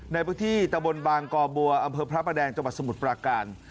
ในพื้นที่ตะบนบางกอบัวอำเภอพระประแดงจังหวัดสมุทรปราการ